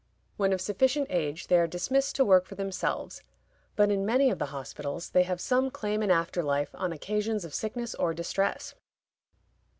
When of sufficient age they are dismissed to work for themselves; but in many of the hospitals they have some claim in after life on occasions of sickness or distress.